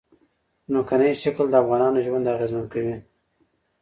ځمکنی شکل د افغانانو ژوند اغېزمن کوي.